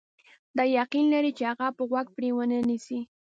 دی یقین لري چې هغه به غوږ پرې ونه نیسي.